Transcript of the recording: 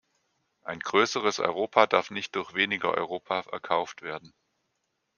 Ein größeres Europa darf nicht durch weniger Europa erkauft werden.